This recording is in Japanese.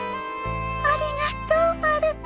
ありがとうまる子。